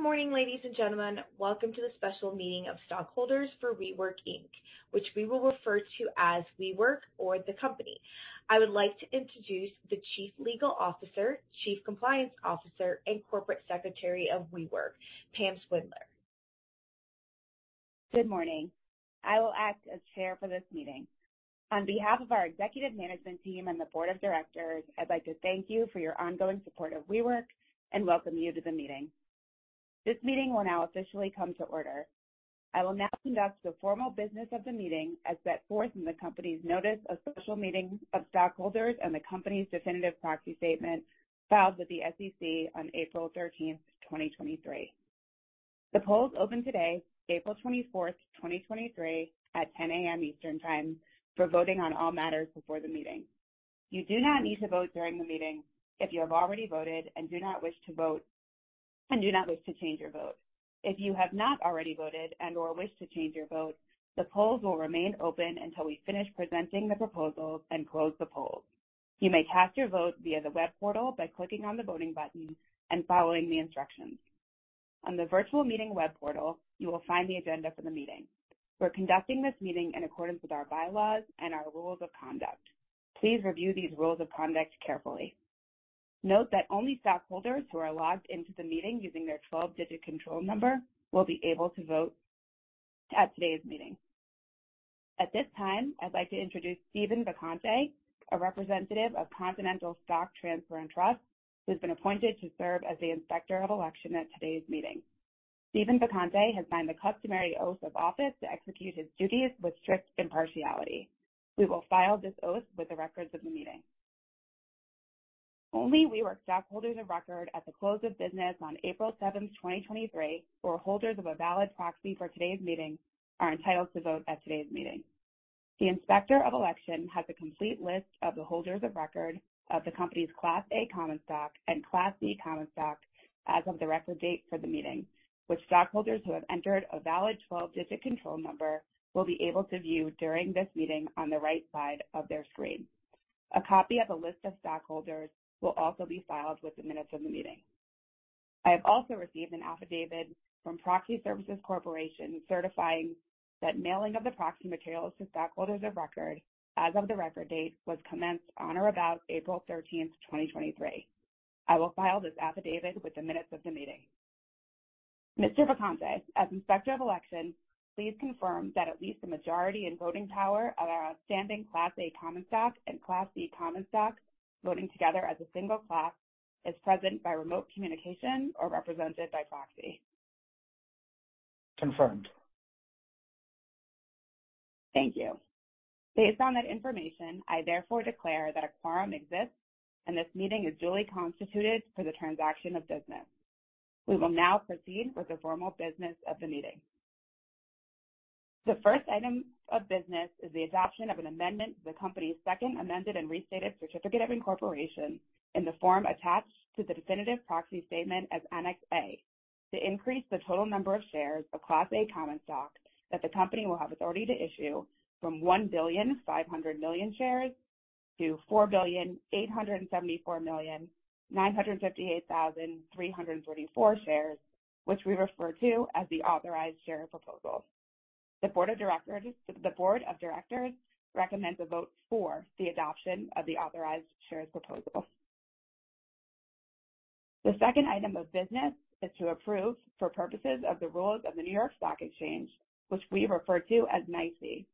Good morning, ladies and gentlemen. Welcome to the special meeting of stockholders for WeWork Inc, which we will refer to as WeWork or the company. I would like to introduce the Chief Legal Officer, Chief Compliance Officer, and Corporate Secretary of WeWork, Pamela Swidler. Good morning. I will act as chair for this meeting. On behalf of our executive management team and the board of directors, I'd like to thank you for your ongoing support of WeWork and welcome you to the meeting. This meeting will now officially come to order. I will now conduct the formal business of the meeting as set forth in the company's notice of special meeting of stockholders and the company's definitive proxy statement filed with the SEC on April 13th, 2023. The polls opened today, April 24th, 2023 at 10:00 A.M. Eastern Time for voting on all matters before the meeting. You do not need to vote during the meeting if you have already voted and do not wish to vote and do not wish to change your vote. If you have not already voted and/or wish to change your vote, the polls will remain open until we finish presenting the proposal and close the polls. You may cast your vote via the web portal by clicking on the voting button and following the instructions. On the virtual meeting web portal, you will find the agenda for the meeting. We're conducting this meeting in accordance with our bylaws and our rules of conduct. Please review these rules of conduct carefully. Note that only stockholders who are logged into the meeting using their 12-digit control number will be able to vote at today's meeting. At this time, I'd like to introduce Steven Vacante, a representative of Continental Stock Transfer and Trust, who's been appointed to serve as the inspector of election at today's meeting. Steven Vacante has signed the customary oath of office to execute his duties with strict impartiality. We will file this oath with the records of the meeting. Only WeWork stockholders of record at the close of business on April 7th, 2023, or holders of a valid proxy for today's meeting are entitled to vote at today's meeting. The inspector of election has a complete list of the holders of record of the company's Class A common stock and Class B common stock as of the record date for the meeting, which stockholders who have entered a valid 12-digit control number will be able to view during this meeting on the right side of their screen. A copy of the list of stockholders will also be filed with the minutes of the meeting. I have also received an affidavit from Proxy Services Corporation certifying that mailing of the proxy materials to stockholders of record as of the record date was commenced on or about April 13th, 2023. I will file this affidavit with the minutes of the meeting. Mr. Vacante, as inspector of election, please confirm that at least the majority in voting power of our outstanding Class A common stock and Class B common stock, voting together as a single class, is present by remote communication or represented by proxy. Confirmed. Thank you. Based on that information, I therefore declare that a quorum exists, and this meeting is duly constituted for the transaction of business. We will now proceed with the formal business of the meeting. The first item of business is the adoption of an amendment to the company's Second Amended and Restated Certificate of Incorporation in the form attached to the Definitive Proxy Statement as Annex A to increase the total number of shares of Class A common stock that the company will have authority to issue from 1.5 billion shares to 4,874,958,334 shares, which we refer to as the Authorized Shares Proposal. The board of directors recommends a vote for the adoption of the Authorized Shares Proposal. The second item of business is to approve, for purposes of the rules of the New York Stock Exchange, which we refer to as NYSE,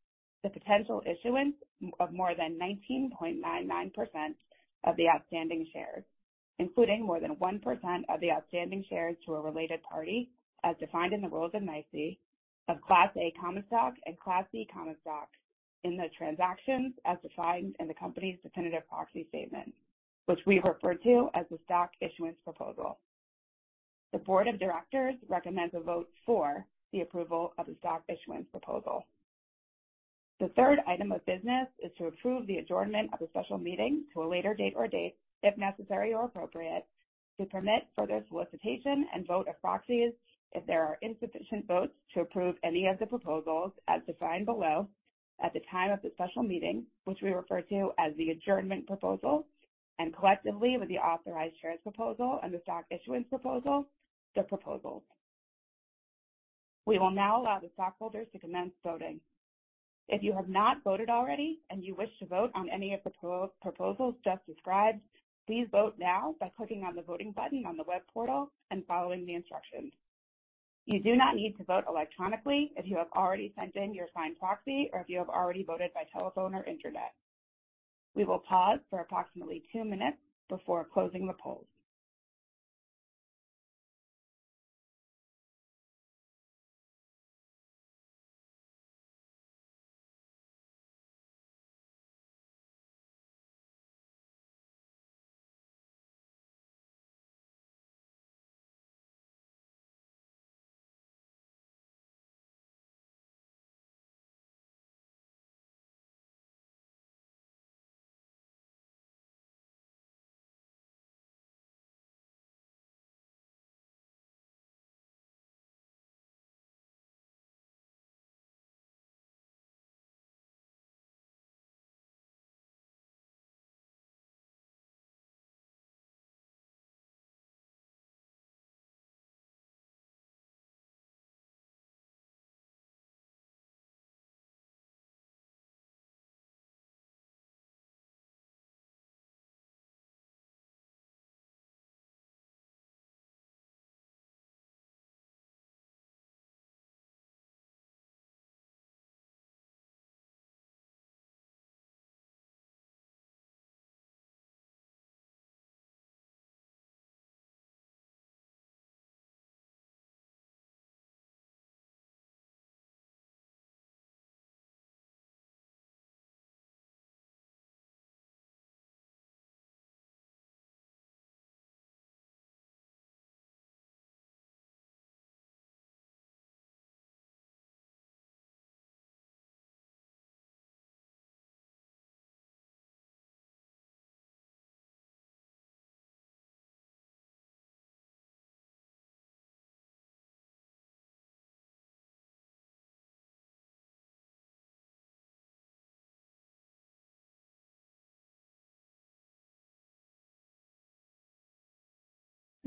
the potential issuance of more than 19.99% of the outstanding shares, including more than 1% of the outstanding shares to a related party, as defined in the rules of NYSE of Class A common stock and Class B common stock in the transactions as defined in the company's Definitive Proxy Statement, which we refer to as the Stock Issuance Proposal. The board of directors recommends a vote for the approval of the Stock Issuance Proposal. The third item of business is to approve the adjournment of the special meeting to a later date or dates if necessary or appropriate to permit further solicitation and vote of proxies if there are insufficient votes to approve any of the proposals as defined below at the time of the special meeting, which we refer to as the Adjournment Proposal and collectively with the Authorized Shares Proposal and the Stock Issuance Proposal, the Proposals. We will now allow the stockholders to commence voting. If you have not voted already, and you wish to vote on any of the proposals just described, please vote now by clicking on the voting button on the web portal and following the instructions. You do not need to vote electronically if you have already sent in your signed proxy or if you have already voted by telephone or Internet. We will pause for approximately two minutes before closing the polls.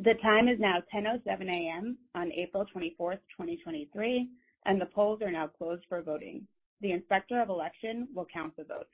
The time is now 10:00 AM on April 24th, 2023. The polls are now closed for voting. The Inspector of Election will count the vote.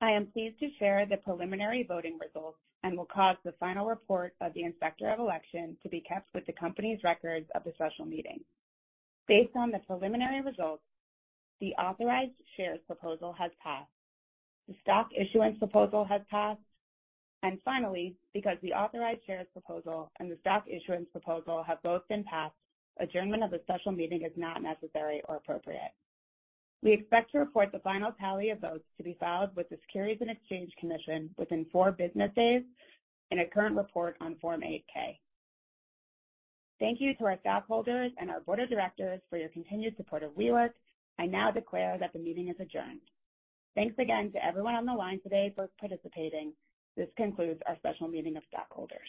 I am pleased to share the preliminary voting results and will cause the final report of the Inspector of Election to be kept with the company's records of the special meeting. Based on the preliminary results, the Authorized Shares Proposal has passed. The Stock Issuance Proposal has passed. Finally, because the Authorized Shares Proposal and the Stock Issuance Proposal have both been passed, adjournment of the special meeting is not necessary or appropriate. We expect to report the final tally of votes to be filed with the Securities and Exchange Commission within four business days in a current report on Form 8-K. Thank you to our stockholders and our board of directors for your continued support of WeWork. I now declare that the meeting is adjourned. Thanks again to everyone on the line today for participating. This concludes our special meeting of stockholders.